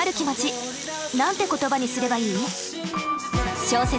なんて言葉にすればいい？